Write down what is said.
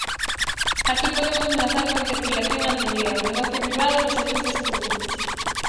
Aquí podemos enlazar coa interpelación anterior, negocio privado cos servizos públicos.